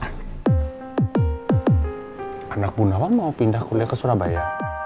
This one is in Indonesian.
hmm anak puna wang mau pindah kuliah ke surabaya